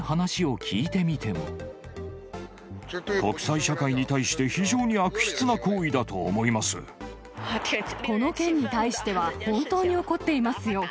国際社会に対して非常に悪質この件に対しては、本当に怒っていますよ。